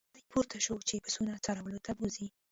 دی پورته شو چې پسونه څرولو ته بوزي.